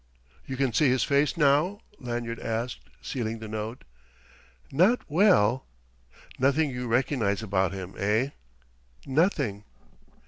"You can see his face now?" Lanyard asked, sealing the note. "Not well...." "Nothing you recognize about him, eh?" "Nothing...."